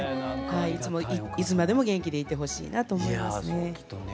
いつもいつまでも元気でいてほしいなと思いますね。